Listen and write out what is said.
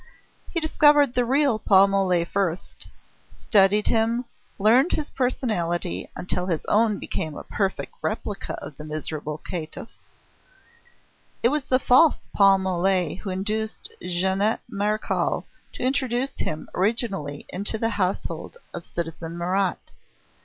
He discovered the real Paul Mole first, studied him, learned his personality, until his own became a perfect replica of the miserable caitiff. It was the false Paul Mole who induced Jeannette Marechal to introduce him originally into the household of citizen Marat.